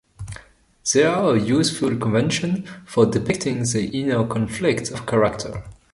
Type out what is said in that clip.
They are a useful convention for depicting the inner conflict of a character.